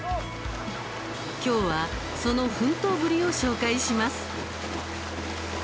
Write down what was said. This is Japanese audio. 今日はその奮闘ぶりを紹介します。